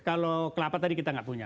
kalau kelapa tadi kita nggak punya